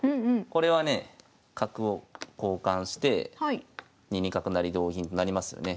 これはねえ角を交換して２二角成同銀となりますよね。